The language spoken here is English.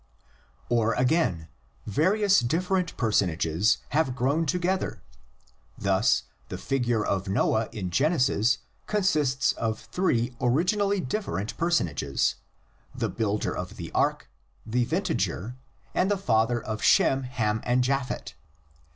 Or again, various different personages have grown together: thus the figure of Noah in Genesis consists of three originally different personages, the builder of the ark, the vintager, and the father of Shem, Ham and Japhet.